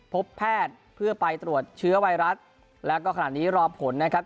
พบแพทย์เพื่อไปตรวจเชื้อไวรัสแล้วก็ขณะนี้รอผลนะครับ